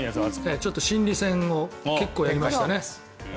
ちょっと心理戦を結構やりましたね。